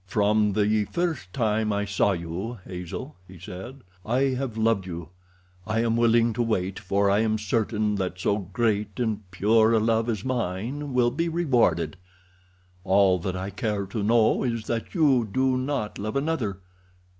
"From the first time I saw you, Hazel," he said, "I have loved you. I am willing to wait, for I am certain that so great and pure a love as mine will be rewarded. All that I care to know is that you do not love another.